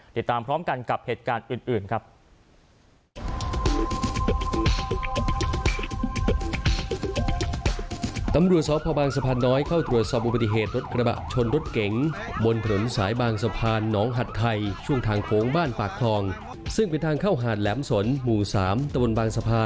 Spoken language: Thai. ติดตามพร้อมกันกับเหตุการณ์อื่นครับ